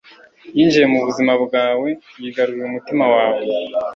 Yinjiye mubuzima bwawe yigarurira umutima wawe